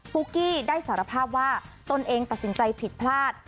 ุ๊กกี้ได้สารภาพว่าตนเองตัดสินใจผิดพลาด